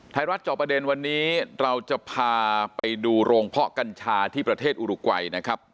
จอประเด็นวันนี้เราจะพาไปดูโรงเพาะกัญชาที่ประเทศอุรุกวัยนะครับ